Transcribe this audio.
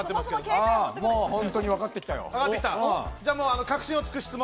本当にわかってきたよ。